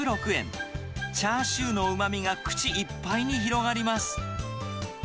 チャーシューのうまみが口いっぱいに広がります。